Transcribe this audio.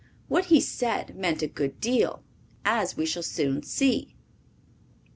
What he said meant a good deal, as we shall soon see.